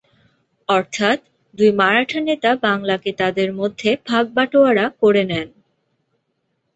অর্থাৎ, দুই মারাঠা নেতা বাংলাকে তাদের মধ্যে ভাগ-বাটোয়ারা করে নেন।